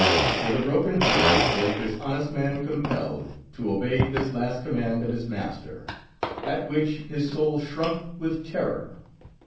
With a broken heart was this honest man compelled to obey this last command of his master, at which his soul shrunk with terror.